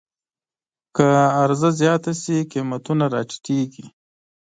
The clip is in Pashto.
که عرضه زیاته شي، قیمتونه راټیټېږي.